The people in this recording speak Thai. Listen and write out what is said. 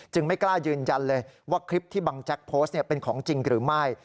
ไม่กล้ายืนยันเลยว่าคลิปที่บังแจ๊กโพสต์เป็นของจริงหรือไม่